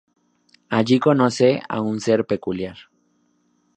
Allí conoce a un ser peculiar.